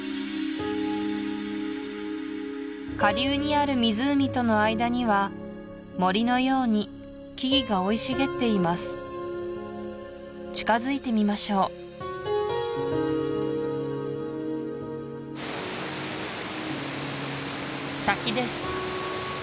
下流にある湖との間には森のように木々が生い茂っています近づいてみましょう滝です